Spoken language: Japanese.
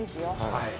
はい。